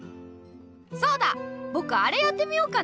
そうだぼくアレやってみようかな。